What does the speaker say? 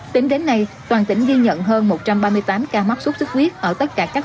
tính đến nay toàn tỉnh ghi nhận hơn một trăm ba mươi tám ca mắc sốt xuất huyết ở tất cả các